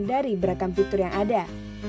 dari beragam fitur yang ada